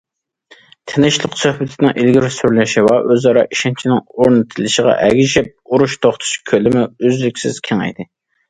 تىنچلىق سۆھبىتىنىڭ ئىلگىرى سۈرۈلۈشى ۋە ئۆزئارا ئىشەنچنىڭ ئورنىتىلىشىغا ئەگىشىپ، ئۇرۇش توختىتىش كۆلىمى ئۈزلۈكسىز كېڭەيدى.